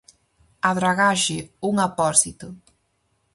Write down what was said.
A dragaxe, "un apósito".